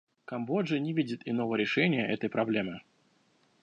Камбоджа не видит иного решения этой проблемы.